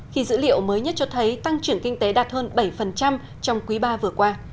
khi dữ liệu mới nhất cho thấy tăng trưởng kinh tế đạt hơn bảy trong quý ba vừa qua